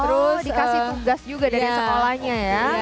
terus dikasih tugas juga dari sekolahnya ya